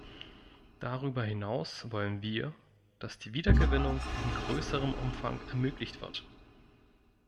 Darüber hinaus wollen wir, dass die Wiedergewinnung in größerem Umfang ermöglicht wird.